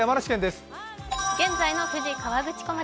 現在の富士河口湖町。